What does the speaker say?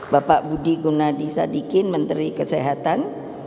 bapak budi gunadi sadikin menteri kesehatan